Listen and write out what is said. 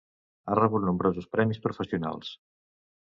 Ha rebut nombrosos premis professionals.